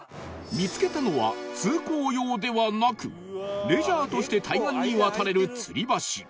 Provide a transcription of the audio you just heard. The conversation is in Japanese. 見つけたのは通行用ではなくレジャーとして対岸に渡れる吊り橋